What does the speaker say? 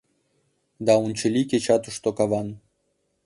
Да унчыли кеча тушто каван.